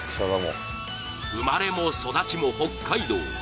生まれも育ちも北海道。